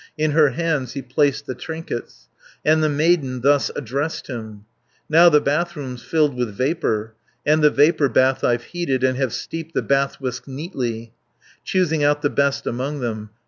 310 In her hands he placed the trinkets, And the maiden thus addressed him: "Now the bathroom's filled with vapour, And the vapour bath I've heated, And have steeped the bath whisks nicely, Choosing out the best among them.